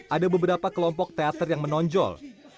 ada beberapa kelompok teater yang menonjol